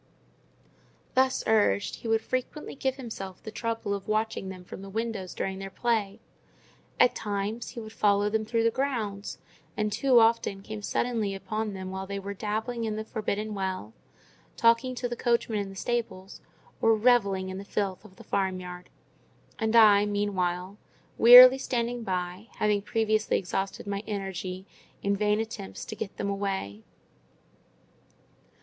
Thus urged, he would frequently give himself the trouble of watching them from the windows during their play; at times, he would follow them through the grounds, and too often came suddenly upon them while they were dabbling in the forbidden well, talking to the coachman in the stables, or revelling in the filth of the farm yard—and I, meanwhile, wearily standing by, having previously exhausted my energy in vain attempts to get them away.